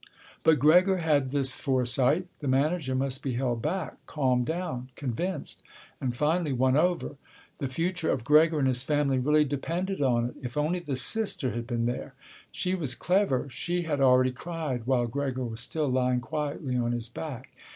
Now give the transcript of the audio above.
But Gregor had this foresight. The manager must be held back, calmed down, convinced, and finally won over. The future of Gregor and his family really depended on it! If only the sister had been there! She was clever. She had already cried while Gregor was still lying quietly on his back.